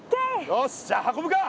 よしじゃあ運ぶか！